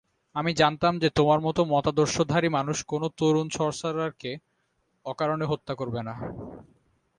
আমি জানতাম যে তোমার মতো মতাদর্শধারী মানুষ কোনো তরুণ সর্সারারকে অকারণে হত্যা করবে না।